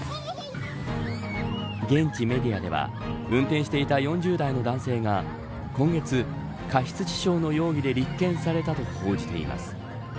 現地メディアでは運転していた４０代の男性が今月、過失致傷の容疑で立件されたと報じています。